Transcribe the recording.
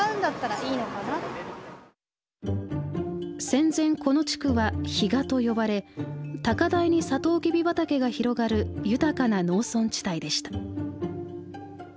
戦前この地区は比嘉と呼ばれ高台にサトウキビ畑が広がる豊かな農村地帯でした。